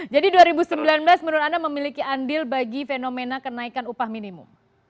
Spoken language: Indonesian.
jadi dua ribu sembilan belas menurut anda memiliki andil bagi fenomena kenaikan upah minimum